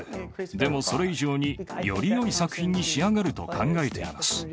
でも、それ以上により良い作品に仕上がると考えています。